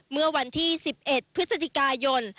เมื่อวันที่๑๑พฤศจิกายน